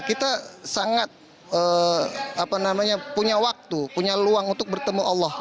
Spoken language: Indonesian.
kita sangat punya waktu punya luang untuk bertemu allah